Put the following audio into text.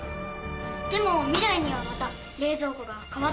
でも未来にはまた冷蔵庫が変わっていくのかな？